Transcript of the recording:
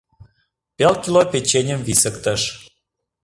Пел кило печеньым висыктыш.